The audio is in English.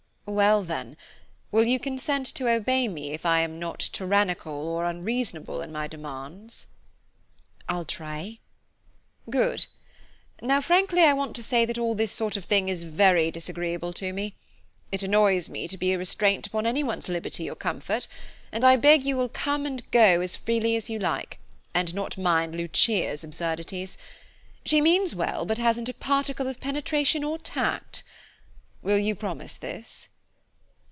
"Well, then, will you consent to obey me if I am not tyrannical or unreasonable in my demands?" "I'll try." "Good! Now frankly, I want to say that all this sort of thing is very disagreeable to me. It annoys me to be a restraint upon anyone's liberty or comfort, and I beg you will go and come as freely as you like, and not mind Lucia's absurdities. She means well, but hasn't a particle of penetration or tact. Will you promise this?"